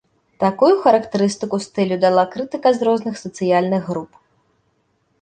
Такую характарыстыку стылю дала крытыка з розных сацыяльных груп.